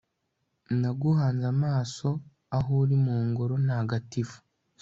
naguhanze amaso aho uri mu ngoro ntagatifu